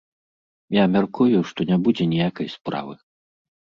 Я мяркую, што не будзе ніякай справы.